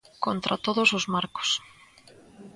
Contra todos os marcos.